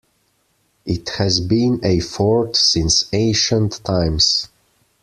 It has been a fort since ancient times.